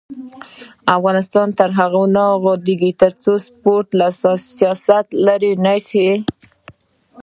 افغانستان تر هغو نه ابادیږي، ترڅو سپورټ له سیاسته لرې نشي.